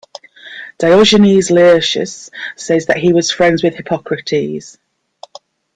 Diogenes Laertius says that he was friends with Hippocrates.